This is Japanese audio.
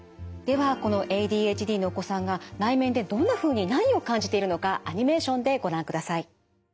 ではこのＡＤＨＤのお子さんが内面でどんなふうに何を感じているのかアニメーションでご覧ください。